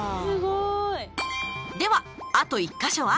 では、あと１か所は？